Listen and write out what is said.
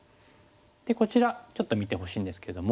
でこちらちょっと見てほしいんですけども。